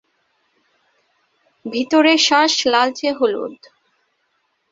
ভিতরের শাঁস লালচে হলুদ।